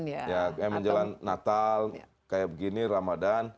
kayak misalnya menjelang natal kayak begini ramadhan